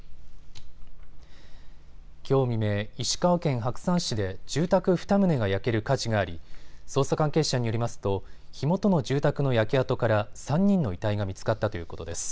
きょう未明、石川県白山市で住宅２棟が焼ける火事があり捜査関係者によりますと火元の住宅の焼け跡から３人の遺体が見つかったということです。